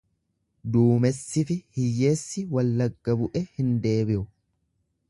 Duumessifi hiyyeessi wallagga bu'e hin deebiu.